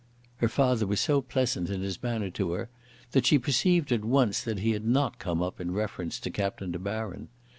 Her father was so pleasant in his manner to her, that she perceived at once that he had not come up in reference to Captain De Baron.